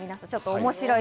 面白いね。